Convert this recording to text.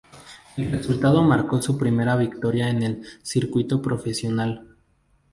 El resultado marcó su primera victoria en el circuito profesional.